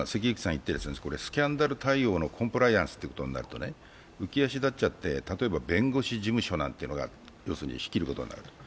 スキャンダル対応のコンプライアンスってことになるとね、浮き足立っちゃって弁護士事務所なんてものが仕切ることになる。